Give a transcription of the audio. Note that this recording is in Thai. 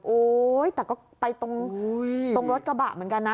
โอ๊ยแต่ก็ไปตรงรถกระบะเหมือนกันนะ